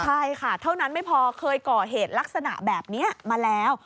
ใช่ค่ะเท่านั้นไม่พอเคยก่อเหตุลักษณะแบบนี้มาแล้ว